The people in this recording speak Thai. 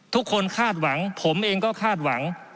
คาดหวังผมเองก็คาดหวัง